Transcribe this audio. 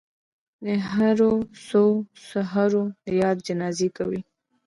د هېرو سوو څهرو د ياد جنازې کوي